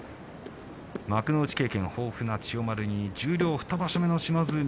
幕内経験豊富の千代丸に十両２場所目の島津海